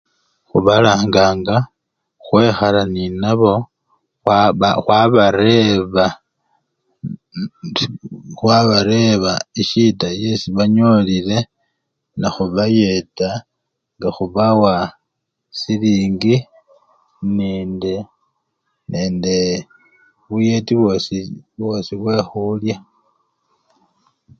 Khubalanganga khwekhala nenabo, khwabareba-khwabareba eshida esii banyolile nekhubayeta nga khubawa silingi nende buyeti bwosi bwosi bwekhulya.